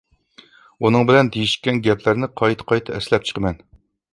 ئۇنىڭ بىلەن دېيىشكەن گەپلەرنى قايتا قايتا ئەسلەپ چىقىمەن.